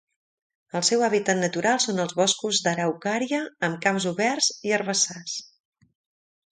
El seu hàbitat natural són els boscos d'araucària amb camps oberts i herbassars.